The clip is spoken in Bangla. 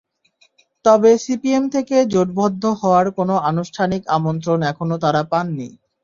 তবে সিপিএম থেকে জোটবদ্ধ হওয়ার কোনো আনুষ্ঠানিক আমন্ত্রণ এখনো তাঁরা পাননি।